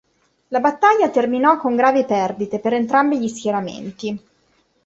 La battaglia terminò con gravi perdite per entrambi gli schieramenti.